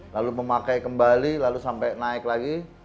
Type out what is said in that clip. lalu memakai kembali lalu sampai naik lagi